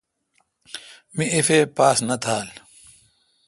می اف اے پاس نہ تھال۔